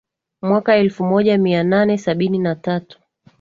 mwaka elfu moja mia nane sabini na tatu